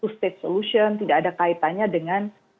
state solution tidak ada kaitannya dengan